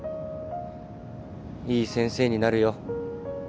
いい先生になるよ。